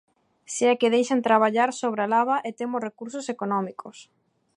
Se é que deixan traballar sobre a lava e temos recursos económicos.